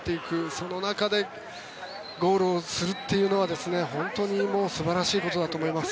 その中でゴールをするというのは本当に素晴らしいことだと思います。